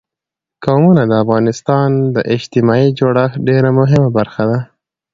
قومونه د افغانستان د اجتماعي جوړښت یوه ډېره مهمه برخه ده.